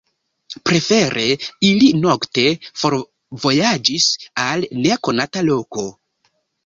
Prefere ili nokte forvojaĝis al nekonata loko.